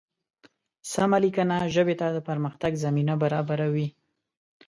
سمه لیکنه ژبې ته د پرمختګ زمینه برابروي.